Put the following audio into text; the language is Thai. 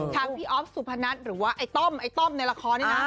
พี่อ๊อฟสุพนัทหรือว่าไอ้ต้อมไอ้ต้อมในละครนี่นะ